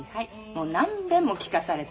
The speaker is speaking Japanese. もう何べんも聞かされたわ。